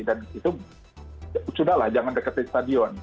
dan itu sudah lah jangan dekat stadion